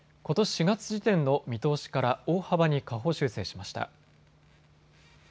４月時点の見通しから大幅に下方修正しました。